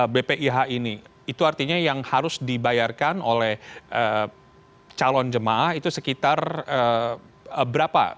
nah dari angka sembilan puluh juta bpih itu artinya yang harus dibayarkan oleh calon jemaah itu sekitar berapa